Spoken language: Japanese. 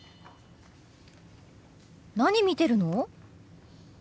何見てるの？